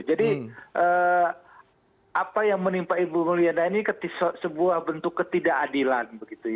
jadi apa yang menimpa ibu meliana ini sebuah bentuk ketidakadilan